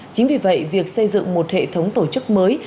chính vì vậy việc xây dựng một hệ thống tổ chức mới